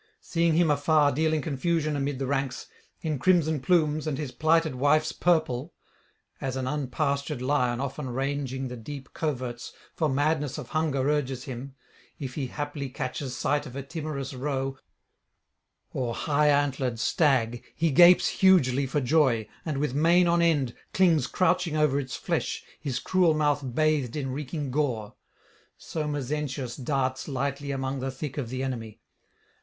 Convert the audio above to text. Seeing him afar dealing confusion amid the ranks, in crimson plumes and his plighted wife's purple, as an unpastured lion often ranging the deep coverts, for madness of hunger urges him, if he haply catches sight of a timorous roe or high antlered stag, he gapes hugely for joy, and, with mane on end, clings crouching over its flesh, his cruel mouth bathed in reeking gore. ... so Mezentius darts lightly among the thick of the enemy.